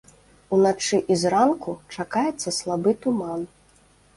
Уначы і зранку чакаецца слабы туман.